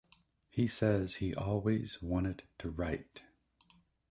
He says he always wanted to write.